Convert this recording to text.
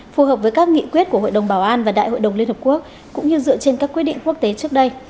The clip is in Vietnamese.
phù hợp với các nghị quyết của hội đồng bảo an và đại hội đồng liên hợp quốc cũng như dựa trên các quyết định quốc tế trước đây